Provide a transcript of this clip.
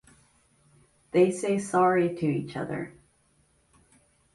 They say sorry to each other.